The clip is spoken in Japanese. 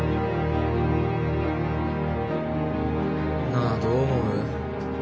なあどう思う？